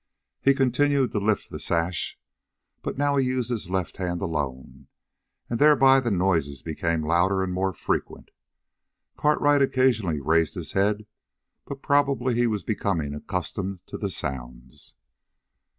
He continued to lift the sash, but now he used his left hand alone, and thereby the noises became louder and more frequent. Cartwright occasionally raised his head, but probably he was becoming accustomed to the sounds.